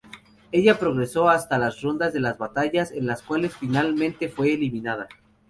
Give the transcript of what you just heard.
Ella progresó hasta las rondas de las batallas, en las cuales finalmente fue eliminada.